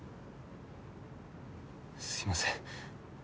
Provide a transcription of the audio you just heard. すいません。